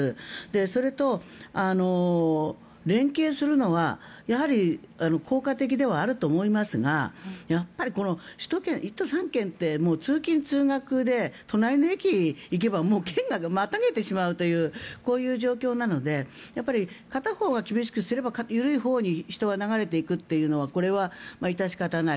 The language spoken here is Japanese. それと連携するのはやはり効果的ではあると思いますがやっぱり首都圏１都３県って通勤・通学で隣の駅に行けば県をまたげてしまうというこういう状況なのでやっぱり片方が厳しくすれば緩いほうに人は流れていくというのはこれは致し方ない。